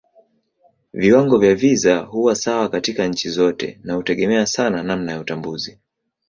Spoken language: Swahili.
Viwango vya visa huwa sawa katika nchi zote na hutegemea sana namna ya utambuzi.